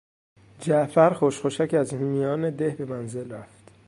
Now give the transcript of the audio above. جعفر خوشخوشک از میان ده به منزل رفت.